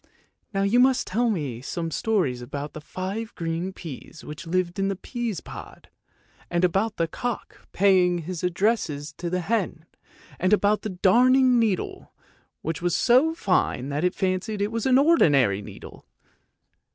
" Now you must tell me some stories about ' The five green peas which lived in a peaspod,' and about the ' Cock paying his addresses to the hen,' and about the ' Darning needle ' which was so fine that it fancied it was an ordinary needle